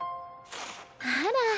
あら。